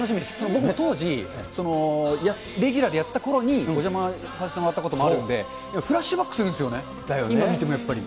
僕、当時、いや、レギュラーでやってたころにお邪魔させてもらったこともあるんで、フラッシュバックするんですよね、今見ても、やっぱり。